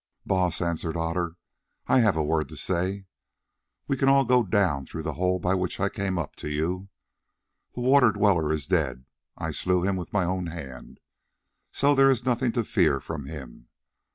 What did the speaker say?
"Baas," answered Otter, "I have a word to say. We can all go down through that hole by which I came up to you. The Water Dweller is dead, I slew him with my own hand, so there is nothing to fear from him.